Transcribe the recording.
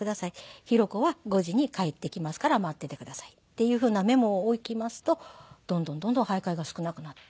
「寛子は５時に帰ってきますから待っていてください」っていうふうなメモを置きますとどんどんどんどん徘徊が少なくなって。